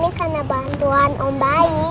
ini karena bantuan om bayi